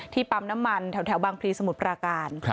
ปั๊มน้ำมันแถวบางพลีสมุทรปราการ